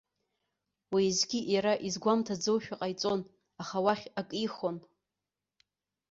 Уеизгьы иара изгәамҭаӡошәа ҟаиҵон, аха уахь акы ихон.